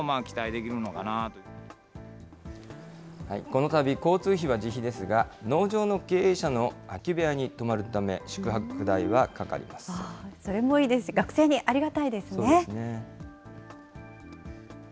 この旅、交通費は自費ですが、農場の経営者の空き部屋に泊まるため、それもいいですし、学生にありがたいですね。